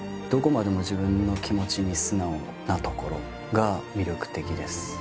どこまでも自分の気持ちに素直なところが魅力的です